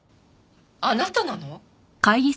あなたなの！？